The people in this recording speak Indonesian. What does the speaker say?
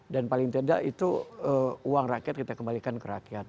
dan paling tidak itu uang rakyat kita kembalikan ke rakyat